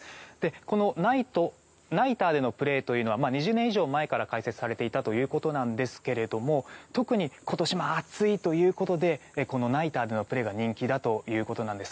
このライトナイターでのプレーというのは２０年以上前から開設されていたということですが特に今年も暑いということでこのナイターでのプレーが人気だということなんです。